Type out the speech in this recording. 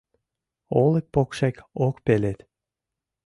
Олык покшек ок пелед.